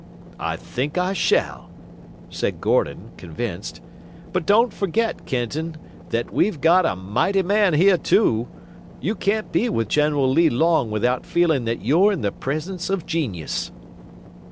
"I think I shall," said Gordon, convinced, "but don't forget, Kenton, that we've got a mighty man here, too. You can't be with General Lee long without feeling that you're in the presence of genius."